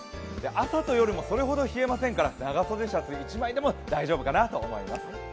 朝と夜もそれほど冷えませんから長袖シャツ１枚でも大丈夫かなと思います。